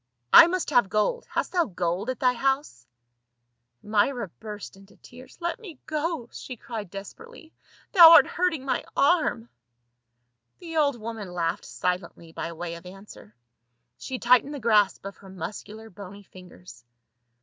I must have gold; hast thou gold at thy house ?" Myra burst into tears. " Let me go," she cried desperately, "thou art hurting my arm." The old woman laughed silently by way of answer ; she tightened the grasp of her muscular bony fingers.